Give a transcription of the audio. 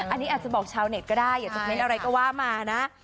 อันนี้อาจจะบอกชาวเน็ตก็ได้อยากจะเน้นอะไรก็ว่ามานะ